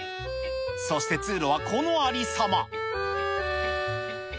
そして通路はこのありさま。